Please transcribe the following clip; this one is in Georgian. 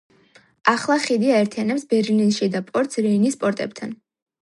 ახლა ხიდი აერთიანებს ბერლინის შიდა პორტს რეინის პორტებთან.